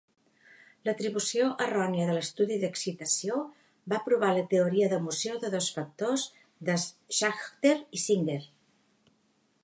L'atribució errònia de l'estudi d"excitació va provar la teoria de l"emoció de dos factors de Schachter i Singer.